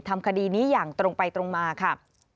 ทำคดีนี้อย่างตรงไปตรงมาค่ะ